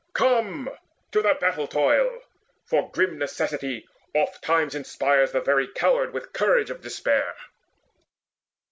Come, to the battle toil! For grim necessity oftentimes inspires The very coward with courage of despair."